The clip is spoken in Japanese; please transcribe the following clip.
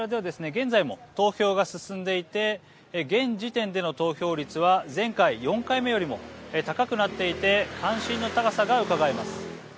現在も投票が進んでいて現時点での投票率は前回、４回目よりも高くなっていて関心の高さがうかがえます。